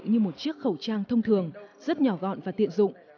như một chiếc khẩu trang thông thường rất nhỏ gọn và tiện dụng